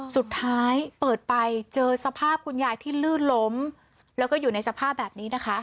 สุดท้ายเปิดไปเจอสภาพคุณยายที่ลื่นล้มแล้วก็อยู่ในสภาพแบบนี้นะคะ